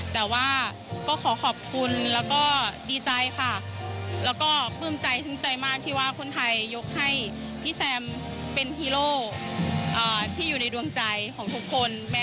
แต่ว่าก็ขอขอบคุณแล้วก็ดีใจค่ะแล้วก็ปลื้มใจซึ้งใจมากที่ว่าคนไทยยกให้พี่แซมเป็นฮีโร่ที่อยู่ในดวงใจของทุกคน